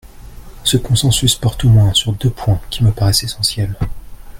Ce consensus porte au moins sur deux points qui me paraissent essentiels.